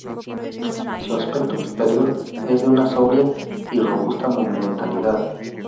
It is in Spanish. Su aspecto exterior es de una sobria y robusta monumentalidad.